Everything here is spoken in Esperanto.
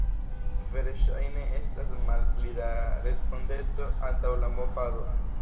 Verŝajne estas malpli da respondeco antaŭ la movado.